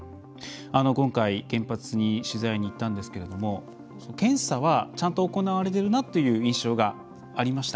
今回、原発に取材に行ったんですけど検査は、ちゃんと行われてるなという印象がありました。